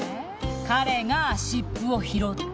彼が湿布を拾って。